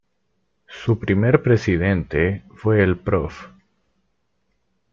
Su primer presidente fue el Prof.